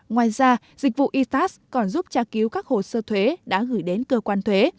ngoài ra dịch vụ itas còn giúp tra cứu các hồ sơ thuế đã gửi đến cơ quan thuế